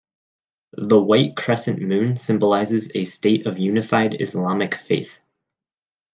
The white crescent moon symbolizes a state of unified Islamic faith.